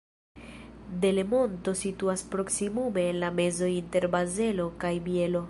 Delemonto situas proksimume en la mezo inter Bazelo kaj Bielo.